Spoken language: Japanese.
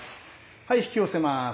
はい引き寄せます！